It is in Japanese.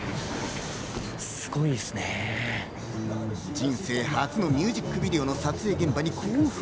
人生初のミュージックビデオの撮影現場に興奮。